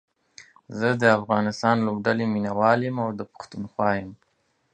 زه دا افغانستان لوبډلې ميناوال يم او دا پښتونخوا يم